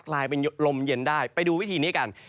กลายเป็นลมเย็นได้ไปดูวิธีนี้กัน